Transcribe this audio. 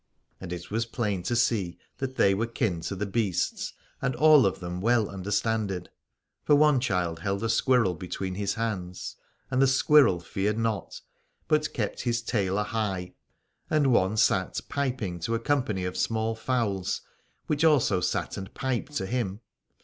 And it was plain to see that they were kin to the beasts and of them well understanded : for one child held a squirrel between his hands, and the squirrel feared not, but kept his tail a high ; and one sat piping to a company of small fowls, which also sat and piped to him.